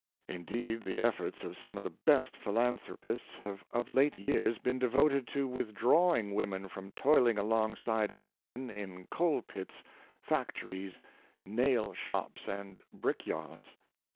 Indeed, the efforts of some of the best phi lanthropists have of late years been devoted to with drawing women from toiling alongside of men in coal pits, factories, nail shops and brick yards.